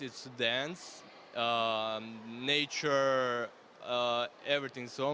alam semesta semuanya sangat luar biasa